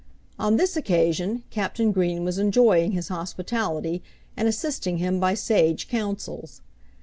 On this occasion Captain Green was enjoying his hospitality and assisting him by sage counsels.